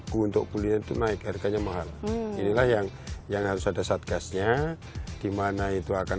untuk kuliah itu naik harganya mahal inilah yang yang harus ada satgasnya dimana itu akan